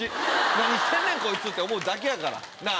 何してんねんこいつ！って思うだけやから。